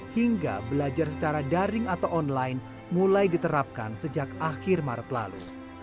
hingga belajar secara daring atau online mulai diterapkan sejak akhir maret lalu